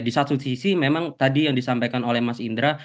di satu sisi memang tadi yang disampaikan oleh mas indra